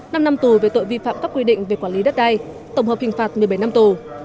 năm năm tù về tội vi phạm các quy định về quản lý đất đai tổng hợp hình phạt một mươi bảy năm tù